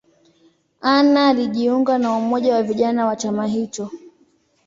Anna alijiunga na umoja wa vijana wa chama hicho.